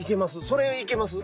それいけます？